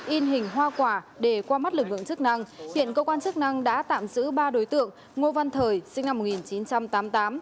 in hình hoa quả để qua mắt lực lượng chức năng hiện cơ quan chức năng đã tạm giữ ba đối tượng ngô văn thời sinh năm một nghìn chín trăm tám mươi tám